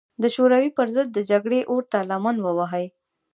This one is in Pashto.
د شوروي پر ضد د جګړې اور ته لمن ووهي.